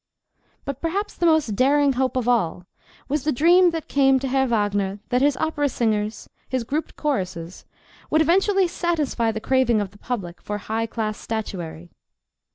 But perhaps the most daring hope of all was the dream that came to Herr Wagner that his opera singers, his grouped choruses, would eventually satisfy the craving of the public for high class statuary.